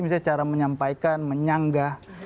misalnya cara menyampaikan menyanggah